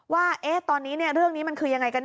ว่าตอนนี้เรื่องนี้มันคือยังไงกันแ